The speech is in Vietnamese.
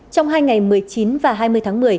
trong hai ngày một mươi chín và hai mươi tháng